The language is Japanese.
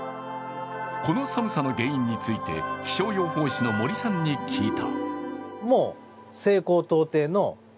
この寒さの原因について気象予報士の森さんに聞いた。